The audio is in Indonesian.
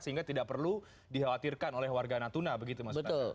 sehingga tidak perlu dikhawatirkan oleh warga natuna begitu maksud